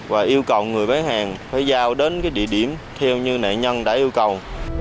và yêu cầu người bán hàng phải giao đến địa điểm theo như nạn nhân đã yêu cầu